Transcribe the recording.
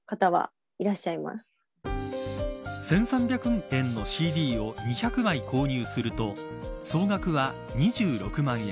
１３００円のＣＤを２００枚購入すると総額は２６万円。